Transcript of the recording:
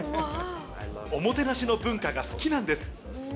おもてなしの文化が好きなんです。